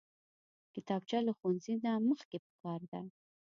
کتابچه له ښوونځي نه مخکې پکار ده